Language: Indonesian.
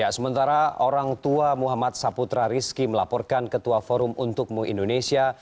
sementara orang tua muhammad saputra rizki melaporkan ketua forum untukmu indonesia